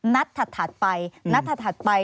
นัดถัดไป